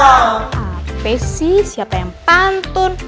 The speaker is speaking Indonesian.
oke sih siapa yang pantun